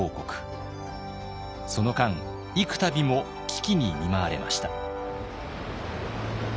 その間幾たびも危機に見舞われました。